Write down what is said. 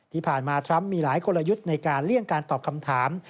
ทรัมทรัมป์มีหลายกลยุทธ์ในการเลี่ยงการตอบคำถาม